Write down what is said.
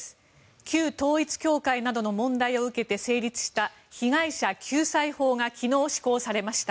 旧統一教会などの問題を受けて成立した被害者救済法が昨日、施行されました。